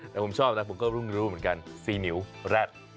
แล้วผมชอบครับพวกผมรู้เหมือนกันซีนิวรัก